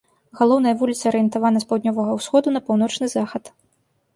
Галоўная вуліца арыентавана з паўднёвага ўсходу на паўночны захад.